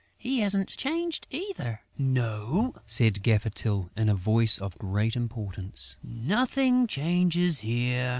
He hasn't changed either...." "No," said Gaffer Tyl, in a voice of great importance, "nothing changes here!"